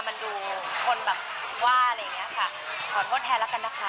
มันดูคนแบบว่าอะไรอย่างเงี้ยค่ะขอโทษแทนแล้วกันนะคะ